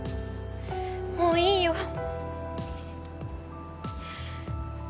もういいよ。